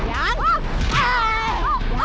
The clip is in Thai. อย่าง